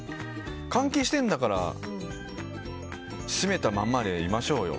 換気してるんだから閉めたままでいましょうよ。